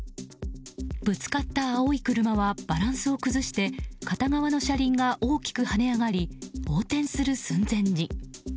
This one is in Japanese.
ぶつかった青い車はバランスを崩して片側の車輪が大きく跳ね上がり横転する寸前に。